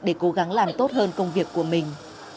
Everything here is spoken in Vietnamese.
để cố gắng làm tốt hơn công việc của mình